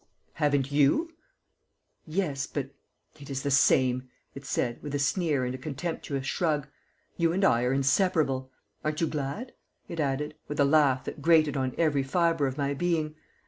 "Haven't you?" "Yes but " "It is the same," it said, with a leer and a contemptuous shrug. "You and I are inseparable. Aren't you glad?" it added, with a laugh that grated on every fibre of my being.